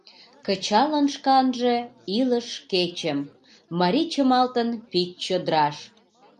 Кычалын шканже илыш кечым. Марий чымалтын пич чодыраш.